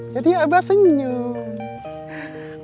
jadi abah senyum